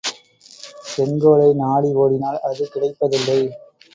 செங்கோலை நாடி ஓடினால் அது கிடைப்பதில்லை!